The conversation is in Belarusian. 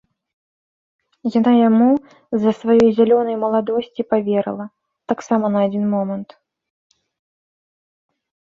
Яна яму з-за сваёй зялёнай маладосці паверыла, таксама на адзін момант.